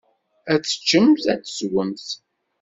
Ad teččemt, ad teswemt.